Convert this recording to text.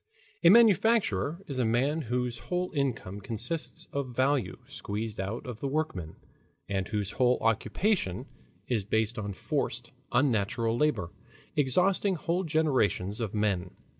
A manufacturer is a man whose whole income consists of value squeezed out of the workmen, and whose whole occupation is based on forced, unnatural labor, exhausting whole generations of men.